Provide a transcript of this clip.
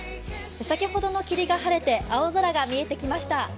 先ほどの霧が晴れて青空が見えてきました。